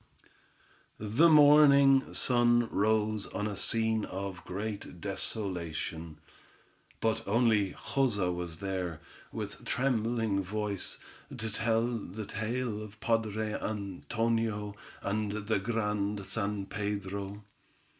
The morning sun rose on a scene of great desolation, but only Joza was there, with trembling voice, to tell the tale of the padre Antonio and the Grand San Pedro.